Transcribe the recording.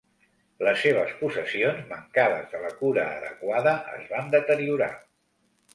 Les seves possessions, mancades de la cura adequada, es van deteriorar.